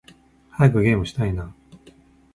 早くゲームしたいな〜〜〜